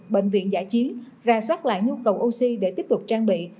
bệnh viện giải trí ra soát lại nhu cầu oxy để tiếp tục trang bị